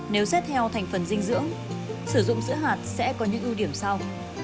nếu xét theo thành phần dinh dưỡng sử dụng sữa hạt sẽ có những ưu điểm sau